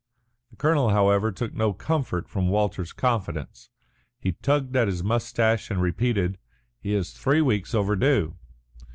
The colonel, however, took no comfort from Walters's confidence. He tugged at his moustache and repeated, "He is three weeks overdue."